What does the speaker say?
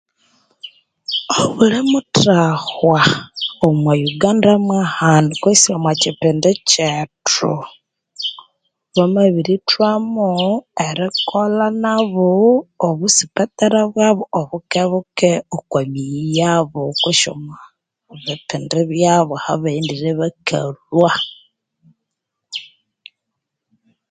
Obuli muthahwa omwa Uganda mwa hano kwesi omwa kyipindi kyethu bamabirithwamo erikolha nabo obusipatara bwabo obukebuke okwa miyi yabo kwesi omwa bipindi byabo ahabaghendire bakalhwa.